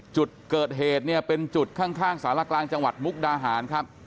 จุดเกิดเหตุเนี่ยเป็นจุดข้างสารกลางจังหวัดมุกดาหารครับ